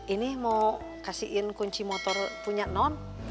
ini mau kasihin kunci motor punya non